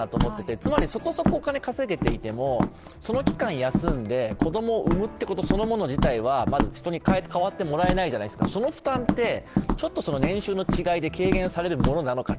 つまり、そこそこお金を稼げていても、その期間、休んで子供を産むことそのもの自体はまず人に変わってもらえないじゃないですか、その負担って、年収の違いで軽減されるものなのかと。